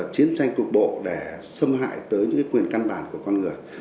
chiến tranh cuộc bộ để xâm hại tới quyền căn bản của con người